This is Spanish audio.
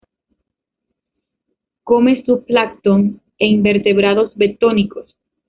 Come zoo plancton e invertebrados bentónicos.